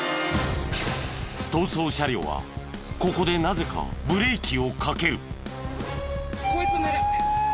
逃走車両はここでなぜかブレーキをかける。